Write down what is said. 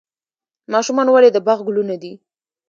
ماشومان ولې د باغ ګلونه دي؟